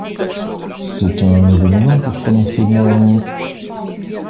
C'est un mauvais moment pour prononcer le mot amour.